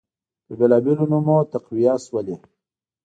په بیلابیلو نومونو تقویه شولې